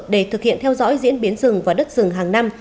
để thực hiện theo dõi diễn biến rừng và đất rừng hàng năm